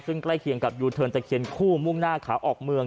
ซึ่งใกล้เคียงกับยูเทิร์นตะเคียนคู่มุ่งหน้าขาออกเมือง